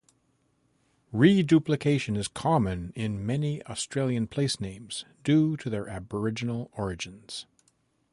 Reduplication is common in many Australian place names due to their Aboriginal origins.